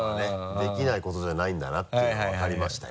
できないことじゃないんだなっていうのが分かりましたよ。